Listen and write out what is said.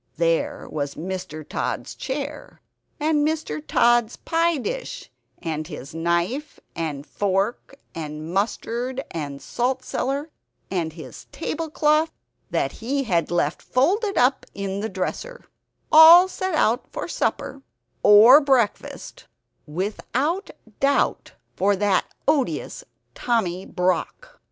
There was Mr. Tod's chair, and Mr. Tod's pie dish, and his knife and fork and mustard and salt cellar, and his tablecloth, that he had left folded up in the dresser all set out for supper (or breakfast) without doubt for that odious Tommy Brock.